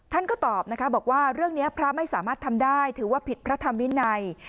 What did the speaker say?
ท่านก็ตอบนะคะบอกว่าเรื่องนี้พระไม่สามารถทำได้ถือว่าผิดพระธรรมวินัย